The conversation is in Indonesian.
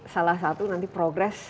salah satu nanti progres